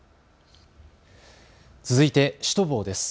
続いてシュトボーです。